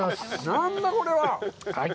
何だ、これは！？